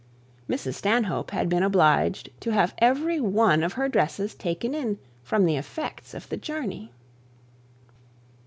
Mrs Stanhope had been obliged to have every one of her dresses taken in from the effects of the journey.